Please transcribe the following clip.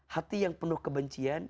hati yang penuh kebencian